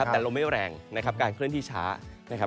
แต่ลมไม่แรงการเคลื่อนที่ช้า